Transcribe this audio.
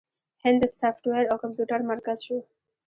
هند د سافټویر او کمپیوټر مرکز شو.